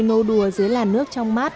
nô đùa dưới làn nước trong mát